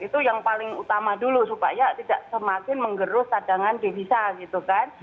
itu yang paling utama dulu supaya tidak semakin menggerus cadangan devisa gitu kan